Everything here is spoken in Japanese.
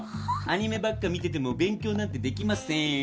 アニメばっか見てても勉強なんてできません。